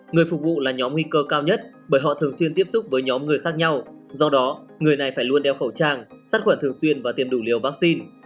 người phục vụ là nhóm nguy cơ cao nhất bởi họ thường xuyên tiếp xúc với nhóm người khác nhau do đó người này phải luôn đeo khẩu trang sát khuẩn thường xuyên và tiêm đủ liều vaccine